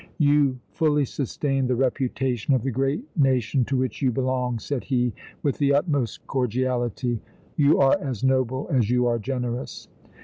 "You fully sustain the reputation of the great nation to which you belong," said he, with the utmost cordiality, " you are as noble as you are generous!"